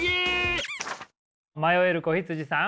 迷える子羊さん。